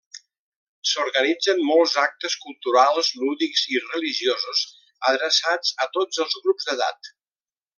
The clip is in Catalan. S’organitzen molts actes culturals, lúdics i religiosos adreçats a tots els grups d’edat.